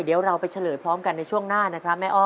เดี๋ยวเราไปเฉลยพร้อมกันในช่วงหน้านะครับแม่อ้อ